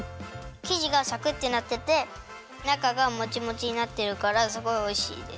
きじがさくってなっててなかがもちもちになってるからすごいおいしいです。